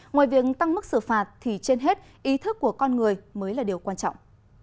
ngoài việc tăng mức xử phạt thì trên hết ý thức của con người mới là điều quan trọng